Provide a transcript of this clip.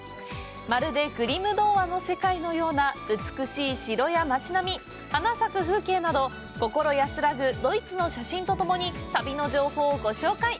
まるでグリム童話の世界のような美しい城や街並み、花咲く風景など、心安らぐドイツの写真とともに旅の情報をご紹介。